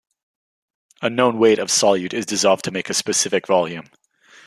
A known weight of solute is dissolved to make a specific volume.